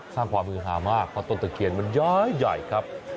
สร้างความฮือหามากเพราะต้นตะเคียนมันย้ายใหญ่ครับ